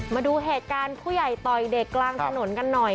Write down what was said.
มาดูเหตุการณ์ผู้ใหญ่ต่อยเด็กกลางถนนกันหน่อย